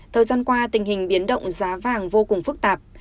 thời gian qua tình hình biến động giá vàng vô cùng phức tạp